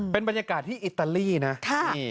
เป็นบรรยากาศที่อิตาลีนะ